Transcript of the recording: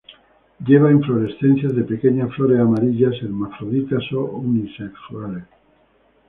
Lleva inflorescencias de pequeñas flores amarillas hermafroditas o unisexuales.